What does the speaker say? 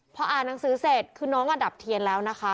พออ่านหนังสือเสร็จคือน้องดับเทียนแล้วนะคะ